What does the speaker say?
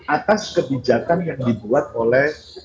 atas kebijakan yang dibuat oleh